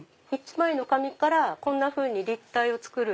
１枚の紙からこんなふうに立体を作る。